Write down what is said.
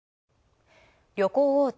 旅行大手